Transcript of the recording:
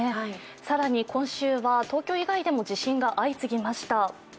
更に今週は東京以外でも地震が相次ぎました。